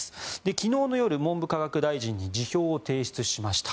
昨日の夜、文部科学大臣に辞表を提出しました。